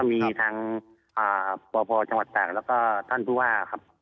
อืมแล้วก็มีทางบจังหวัดศาลและก็ท่านทุ่าครับ